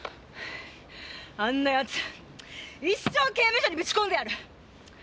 あんな奴一生刑務所にぶち込んでやる！